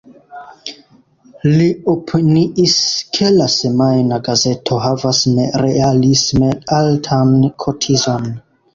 Li opiniis, ke la semajna gazeto havas nerealisme altan kotizon.